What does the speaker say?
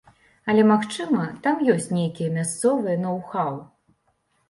Але, магчыма, там ёсць нейкія мясцовыя ноў-хаў.